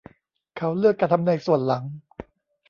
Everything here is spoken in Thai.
เขาเลือกจะทำในส่วนหลัง